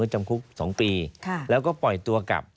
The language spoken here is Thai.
จำคุก๒ปีแล้วก็ปล่อยตัวกลับ